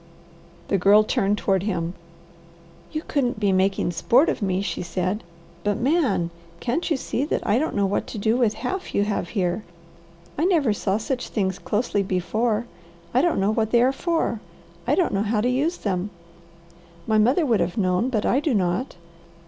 The Girl turned toward him. "You couldn't be making sport of me," she said, "but Man! Can't you see that I don't know what to do with half you have here? I never saw such things closely before. I don't know what they are for. I don't know how to use them. My mother would have known, but I do not.